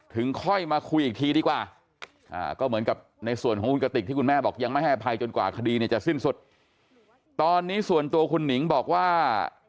ถึงค่อยมาคุยอีกทีดีกว่า